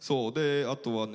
あとはね